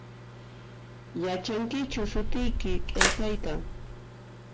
Yachankichu sutiyki qilqayta?